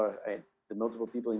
orang yang sudah berpengalaman